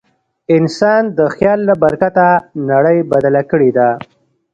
انسان د خیال له برکته نړۍ بدله کړې ده.